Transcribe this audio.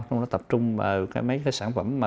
chúng tôi tập trung vào mấy cái sản phẩm